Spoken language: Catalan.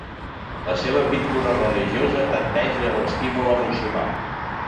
La seva pintura religiosa tendeix a l'estímul emocional.